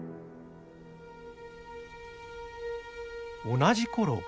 同じ頃。